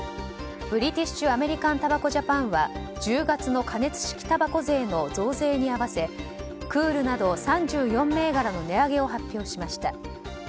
ブリティッシュ・アメリカン・タバコ・ジャパンは１０月の加熱式たばこ税の増税に合わせクールなど３４銘柄の値上げを発表しました。